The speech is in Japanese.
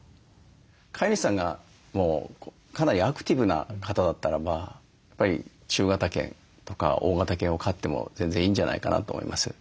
飼い主さんがかなりアクティブな方だったらばやっぱり中型犬とか大型犬を飼っても全然いいんじゃないかなと思います。